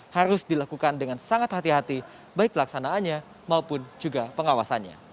harus dilakukan dengan sangat hati hati baik pelaksanaannya maupun juga pengawasannya